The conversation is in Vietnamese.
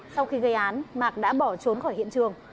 sau khi gây án mạc đã bỏ